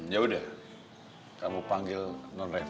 ya udah kamu panggil nona reva